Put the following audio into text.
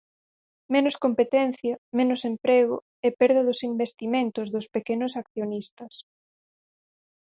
Menos competencia, menos emprego e perda dos investimentos dos pequenos accionistas.